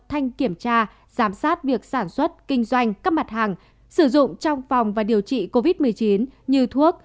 thanh kiểm tra giám sát việc sản xuất kinh doanh các mặt hàng sử dụng trong phòng và điều trị covid một mươi chín như thuốc